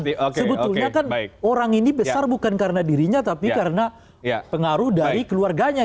sebetulnya kan orang ini besar bukan karena dirinya tapi karena pengaruh dari keluarganya